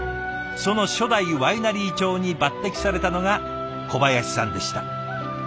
その初代ワイナリー長に抜てきされたのが小林さんでした。